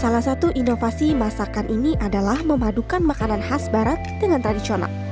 salah satu inovasi masakan ini adalah memadukan makanan khas barat dengan tradisional